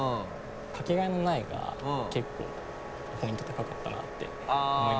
「かけがえのない」が結構ポイント高かったなって思いますね。